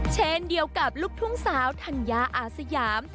เช่นเดียวกับลูกทุ่งสาวธัญญาอาสยาม